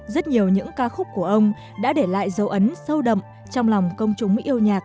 rất nhiều những ca khúc của ông đã để lại dấu ấn sâu đậm trong lòng công chúng yêu nhạc